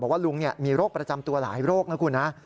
ว่าลุงมีโรคประจำตัวหลายโรคนะคุณนะ